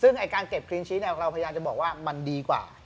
ซึ่งการเก็บครีนชี้เราพยายามจะบอกว่ามันดีกว่า